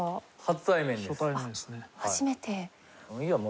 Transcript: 初めて。